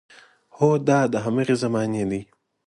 هو، دا د هماغې زمانې دی.